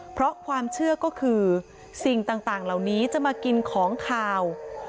เพราะความเชื่อก็คือสิ่งต่างเหล่านี้จะมากินของขาว